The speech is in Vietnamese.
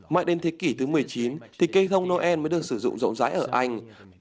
mãi đến thế kỷ thứ một mươi chín thì cây thông noel mới được sử dụng rộng rãi ở anh